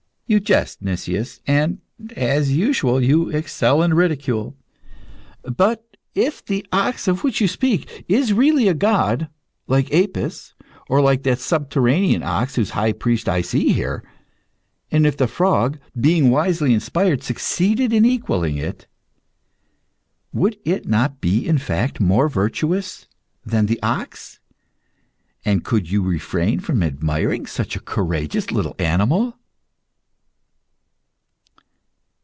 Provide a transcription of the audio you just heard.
You jest, Nicias, and, as usual, you excel in ridicule. But if the ox of which you speak is really a god, like Apis, or like that subterranean ox whose high priest I see here, and if the frog, being wisely inspired, succeed in equalling it, would it not be, in fact, more virtuous than the ox, and could you refrain from admiring such a courageous little animal!